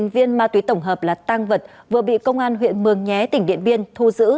một mươi viên ma túy tổng hợp là tăng vật vừa bị công an huyện mường nhé tỉnh điện biên thu giữ